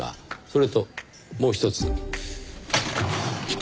それともうひとつ。